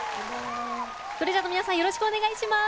ＴＲＥＡＳＵＲＥの皆さんよろしくお願いします。